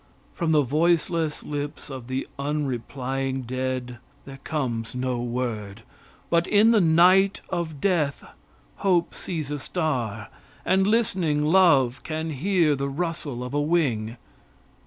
From the voiceless lips of the unreplying dead there comes no word; but in the night of death hope sees a star and listening love can hear the rustle of a wing.